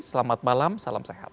selamat malam salam sehat